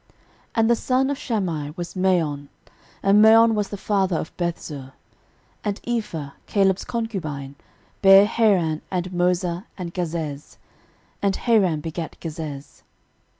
13:002:045 And the son of Shammai was Maon: and Maon was the father of Bethzur. 13:002:046 And Ephah, Caleb's concubine, bare Haran, and Moza, and Gazez: and Haran begat Gazez.